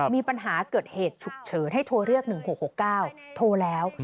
มีปัญหาเกิดเหตุฉุกเฉินให้โทรเรียก๑๖๖๙โทรแล้ว